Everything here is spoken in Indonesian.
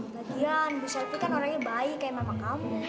lagian bu selvi kan orangnya baik kayak mama kamu